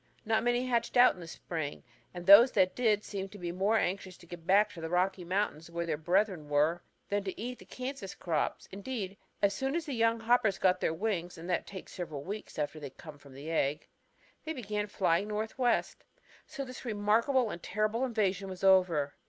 Not many hatched out in the spring, and those that did seemed to be more anxious to get back to the Rocky Mountains where their brethren were than to eat the Kansas crops. Indeed as soon as the young hoppers got their wings and that takes several weeks after they come from the egg they began flying northwest. "So this remarkable and terrible invasion was over.